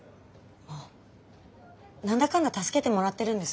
あっ何だかんだ助けてもらってるんです。